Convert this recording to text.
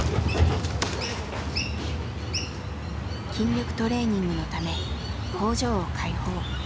筋力トレーニングのため工場を開放。